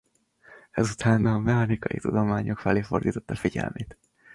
Ezután a mechanikai tudományok felé fordította figyelmét.